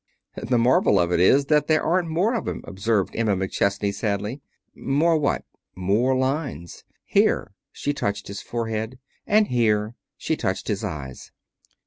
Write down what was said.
"The marvel of it is that there aren't more of 'em," observed Emma McChesney sadly. "More what?" "More lines. Here," she touched his forehead, "and here," she touched his eyes.